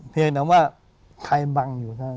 เพียงแต่ว่าใครบังอยู่ทั้งเอง